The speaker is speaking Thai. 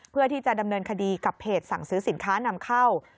เพื่อที่จะดำเนินคดีกับเพจสั่งซื้อสินค้านำเข้า